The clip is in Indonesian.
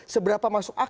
seberapa masuk akal